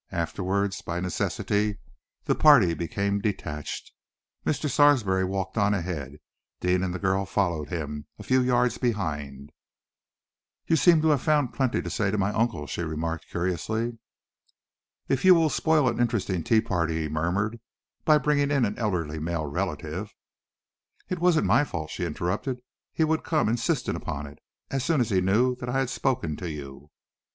Afterwards, by necessity, the party became detached. Mr. Sarsby walked on ahead. Deane and the girl followed him, a few yards behind. "You seem to have found plenty to say to my uncle," she remarked curiously. "If you will spoil an interesting tea party," he murmured, "by bringing in an elderly male relative, " "It wasn't my fault," she interrupted. "He would come insisted upon it as soon as he knew that I had spoken to you.